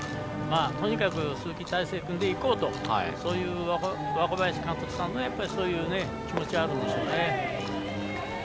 とにかく鈴木泰成君で行こうとそういう若林監督の気持ちはあるんでしょうね。